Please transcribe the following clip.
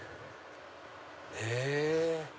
へぇ！